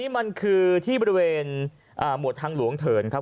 มันคือที่บริเวณหมวดทางหลวงเถินครับ